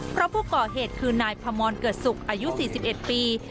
เพราะผู้ก่อเหตุคือนายพมรเกิดศุกร์อายุ๔๑ปี